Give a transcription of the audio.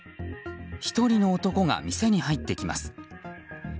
１人の男が店に入ってきます。